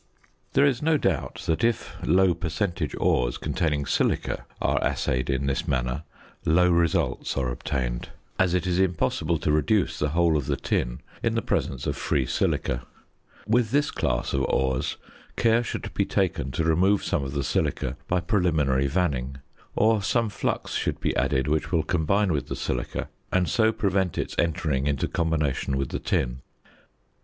There is no doubt that if low percentage ores containing silica are assayed in this manner, low results are obtained, as it is impossible to reduce the whole of the tin in the presence of free silica; with this class of ores, care should be taken to remove some of the silica by preliminary vanning, or some flux should be added which will combine with the silica, and so prevent its entering into combination with the tin.